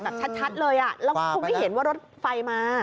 แบบชัดเลยแล้วคงไม่เห็นว่ารถไฟมา